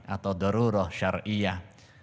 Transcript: atau darurah syariah